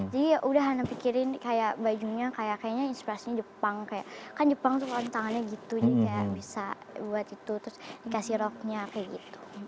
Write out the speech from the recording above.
jadi udah hanna pikirin kayak bajunya kayaknya inspirasinya jepang kayak kan jepang tuh bawa tangannya gitu jadi kayak bisa buat itu terus dikasih roknya kayak gitu